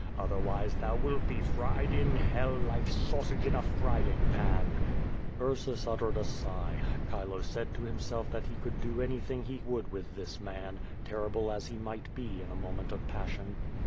Otherwise thou wilt be fried in hell like sausage in a frying pan." Ursus uttered a sigh. Chilo said to himself that he could do anything he would with this man, terrible as he might be in a moment of passion.